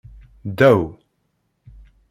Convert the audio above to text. Ddaw.